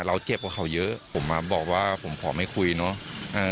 เจ็บกว่าเขาเยอะผมมาบอกว่าผมขอไม่คุยเนอะ